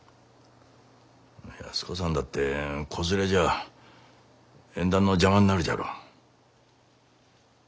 安子さんだって子連れじゃあ縁談の邪魔になるじゃろう。